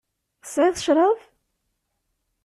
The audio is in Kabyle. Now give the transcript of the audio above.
Tesεiḍ ccrab?